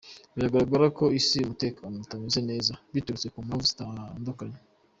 Biragaragara ko ku isi umutekano utameze neza biturutse ku mpamvu zitandukanye.